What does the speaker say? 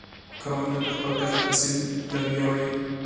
کروندګر د خپل کښت حاصل ته ویاړي